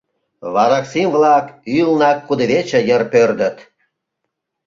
Вараксим-влак ӱлнак кудывече йыр пӧрдыт.